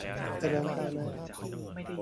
เจริญก้าวหน้า